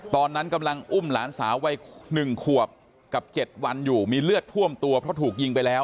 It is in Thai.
ตอนนั้นกำลังอุ้มหลานสาววัย๑ขวบกับ๗วันอยู่มีเลือดท่วมตัวเพราะถูกยิงไปแล้ว